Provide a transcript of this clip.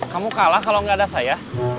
kamu kalah kalau nggak ada saya